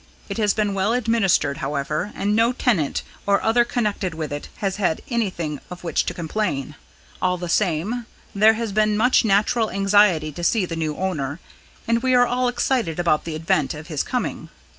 It has been well administered, however, and no tenant or other connected with it has had anything of which to complain. All the same, there has been much natural anxiety to see the new owner, and we are all excited about the event of his coming.